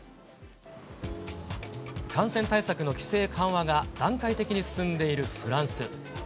感染対策の規制緩和が段階的に進んでいるフランス。